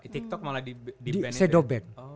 tiktok malah di sedoben